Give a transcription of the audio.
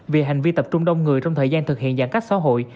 vì hành vi tập trung đông người trong thời gian thực hiện giãn cách xã hội